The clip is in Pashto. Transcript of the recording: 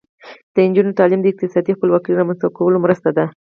د نجونو تعلیم د اقتصادي خپلواکۍ رامنځته کولو مرسته ده.